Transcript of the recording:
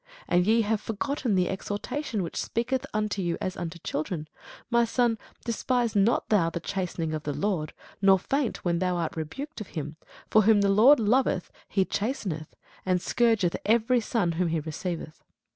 And ye have forgotten the exhortation which speaketh unto you as unto children, My son, despise not thou the chastening of the Lord, nor faint when thou art rebuked of him: for whom the Lord loveth he chasteneth, and scourgeth every son whom he receiveth.